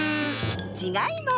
ちがいます！